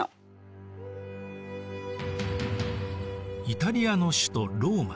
イタリアの首都ローマ。